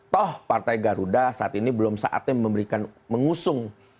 toh partai garuda saat ini belum saatnya memberikan mengusung